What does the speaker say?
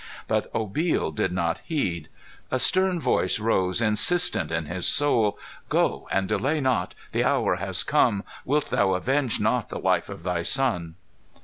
But Obil did not heed. A stern voice rose insistent in his soul: "Go, and delay not! The hour has come! Wilt thou avenge not the life of thy son?"